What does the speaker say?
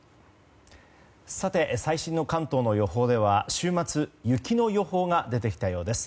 最新の関東の予報では週末雪の予報が出てきたようです。